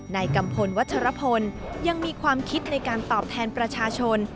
กัมพลวัชรพลยังมีความคิดในการตอบแทนประชาชน